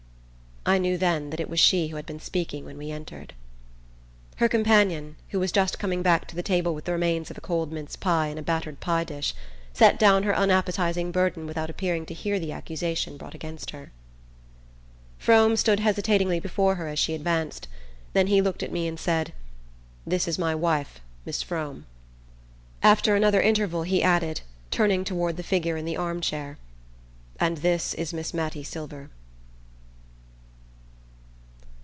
I knew then that it was she who had been speaking when we entered. Her companion, who was just coming back to the table with the remains of a cold mince pie in a battered pie dish, set down her unappetising burden without appearing to hear the accusation brought against her. Frome stood hesitatingly before her as she advanced; then he looked at me and said: "This is my wife, Mis' Frome." After another interval he added, turning toward the figure in the arm chair: "And this is Miss Mattie Silver..."